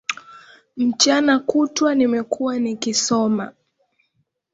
Mchana kutwa nimekuwa nikisoma